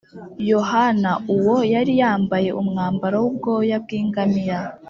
Yohana uwo yari yambaye umwambaro w’ubwoya bw’ingamiya,